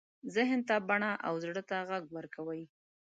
ذهن ته بڼه او زړه ته غږ ورکوي.